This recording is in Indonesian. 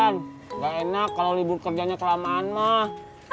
tidak enak kalau libur kerjanya kelamaan mah